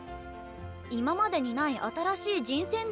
今までにない新しい人選ですの。